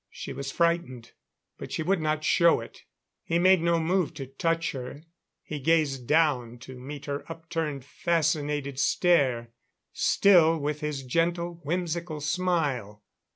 She was frightened, but she would not show it. He made no move to touch her; he gazed down to meet her upturned, fascinated stare, still with his gentle, whimsical smile.